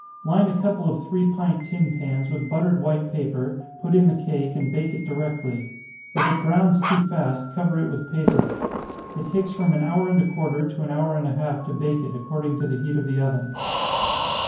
Line a couple of three pint tin pans with buttered white paper, put in the cake, and bake it directly. If it browns too fast, cover it with paper. It takes from an hour and a quarter to an hour and a half to bake it, according to the heat of the oven.